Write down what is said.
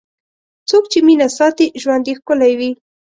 څوک چې مینه ساتي، ژوند یې ښکلی وي.